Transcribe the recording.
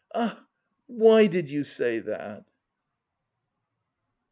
Ah, why did you say that?"